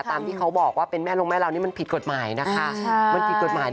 ตามที่เขาบอกว่าเป็นแม่ลงแม่เรานี่มันผิดกฎหมายนะคะ